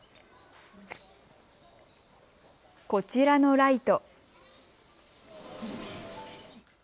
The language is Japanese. こちらのライト。